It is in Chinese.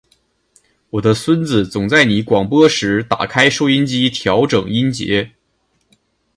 我的孙子总在你广播时打开收音机调整音节。